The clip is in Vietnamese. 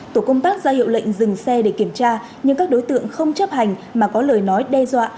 tổ công tác ra hiệu lệnh dừng xe để kiểm tra nhưng các đối tượng không chấp hành mà có lời nói đe dọa